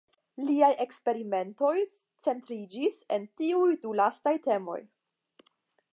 Liaj eksperimentoj centriĝis en tiuj du lastaj temoj.